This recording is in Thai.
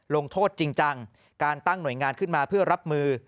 ลงโทษจริงจังการตั้งหน่วยงานขึ้นมาเพื่อรับมือ